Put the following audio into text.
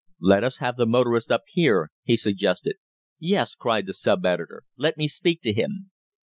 Let us have the motorist up here," he suggested. "Yes," cried the sub editor. "Let me speak to him."